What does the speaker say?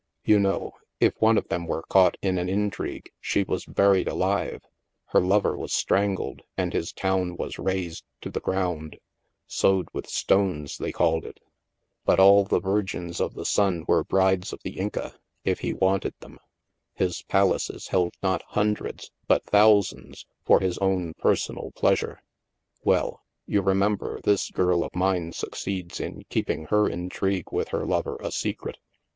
. You know, if one of them were caught in an intrigue, she was buried alive, her lover was strangled and his town was razed to the grotmd —' sowed with stones ' they called it. But all the Virgins of the Sim were brides of the Inca, if he wanted them. His pal aces held not hundreds, but thousands, for his own personal pleasure. Well, you remember, this girl of mine succeeds in keeping her intrigue with her lover a secret.